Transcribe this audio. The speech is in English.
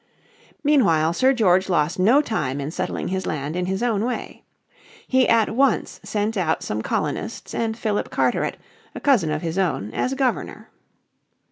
Meanwhile Sir George lost no time in settling his land in his own way. He at once sent out some colonists and Philip Carteret, a cousin of his own, as Governor.